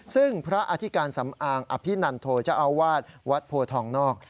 ซึ่งพระอธิการสำอางอภินันโทเจ้าอาวาสวัดโพทองนอก